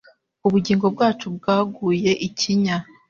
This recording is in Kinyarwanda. Ubugingo bwacu bgaguye ikinya